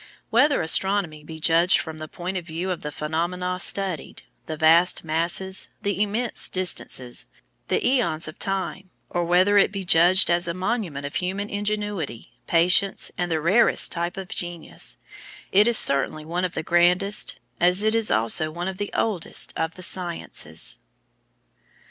Whether astronomy be judged from the point of view of the phenomena studied, the vast masses, the immense distances, the æons of time, or whether it be judged as a monument of human ingenuity, patience, and the rarest type of genius, it is certainly one of the grandest, as it is also one of the oldest, of the sciences.